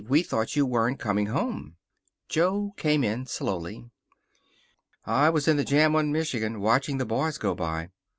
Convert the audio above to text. We thought you weren't coming home." Jo came in slowly. "I was in the jam on Michigan, watching the boys go by."